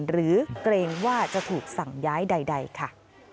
เกรงว่าจะถูกสั่งย้ายใดค่ะ